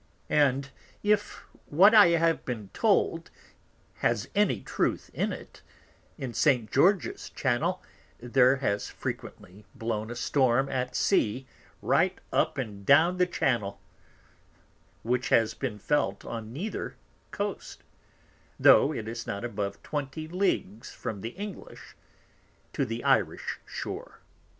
And if what I have been told has any truth in it, in St. George's Channel there has frequently blown a Storm at Sea right up and down the Channel, which has been felt on neither Coast, tho it is not above 20 Leagues from the English to the Irish Shore.